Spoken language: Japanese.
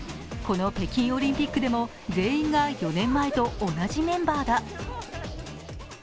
この北京オリンピックでも全員が４年前と同じメンバーだ。